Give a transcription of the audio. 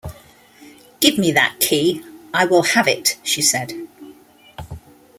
‘Give me that key: I will have it!’ she said.